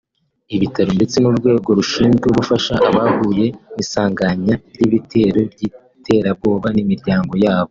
ibitaro ndetse n’urwego rushinzwe gufasha abahuye n’isanganya ry’ibitero by’iterabwoba n’imiryango yabo